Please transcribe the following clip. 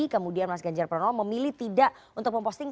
kemudian mas ganjar pranowo memilih tidak untuk memposting